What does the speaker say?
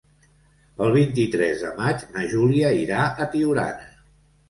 El vint-i-tres de maig na Júlia irà a Tiurana.